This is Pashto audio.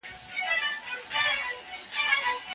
کباب په تودو سیخانو کې د لمر په څېر ځلېده.